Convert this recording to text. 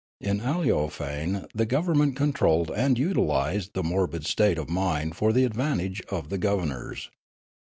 In Aleofane the government controlled and utilised the morbid state of mind for the advantage of the governors.